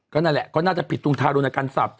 นั่นแหละก็น่าจะผิดตรงทารุณกรรมศัพท